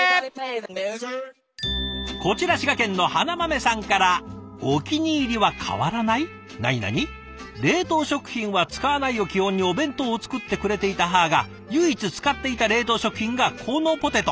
こちら滋賀県のはなまめさんからなになに「『冷凍食品は使わない』を基本にお弁当を作ってくれていた母が唯一使っていた冷凍食品がこのポテト。